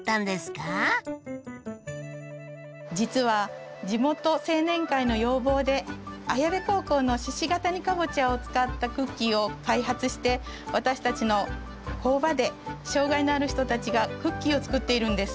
実は地元青年会の要望で綾部高校の鹿ケ谷かぼちゃを使ったクッキーを開発して私たちの工場で障害のある人たちがクッキーを作っているんです。